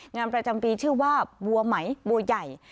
งานประจำปีชื่อว่าบัวไหมบัวใหญ่